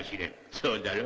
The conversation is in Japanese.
そうだろ？